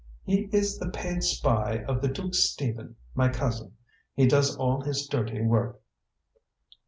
"He is the paid spy of the Duke Stephen, my cousin. He does all his dirty work."